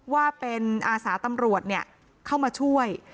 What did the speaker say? ว่าเป็นอาสาตำรวจเข้ามาช่วย